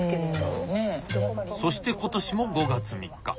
そして今年も５月３日。